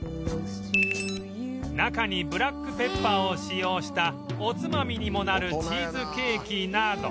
中にブラックペッパーを使用したおつまみにもなるチーズケーキなど